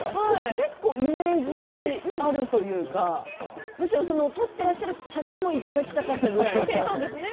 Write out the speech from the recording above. イメージがあるというかむしろ撮っていらっしゃる写真をいただきたかったですね。